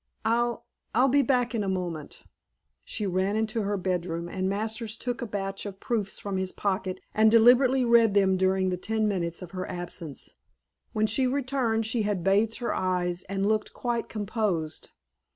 "I I'll be back in a moment." She ran into her bedroom, and Masters took a batch of proofs from his pocket and deliberately read them during the ten minutes of her absence. When she returned she had bathed her eyes, and looked quite composed.